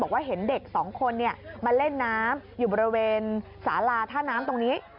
ว่าเห็นเด็กสองคนมาเล่นน้ำอยู่บริเวณสาลาท่าน้ำตรงนี้